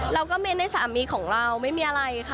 เราก็เน้นในสามีของเราไม่มีอะไรค่ะ